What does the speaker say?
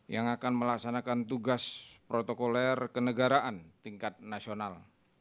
yang akan melaksanakan tugas protokoler kenegaraan tingkat nasional